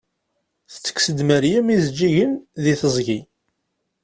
Tettekkes-d Maryem ijeǧǧigen deg teẓgi.